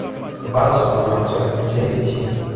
Basa su programación en series y cine.